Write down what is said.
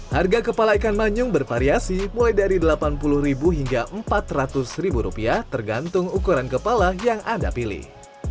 harga kepala ikan manyung bervariasi mulai dari rp delapan puluh hingga rp empat ratus rupiah tergantung ukuran kepala yang anda pilih